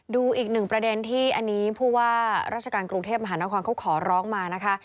ดูอีกหนึ่งประเด็นที่อันนี้ผู้ว่าราชการกรุงเทพมหานครเขาขอร้องมานะคะ